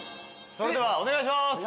それではお願いします。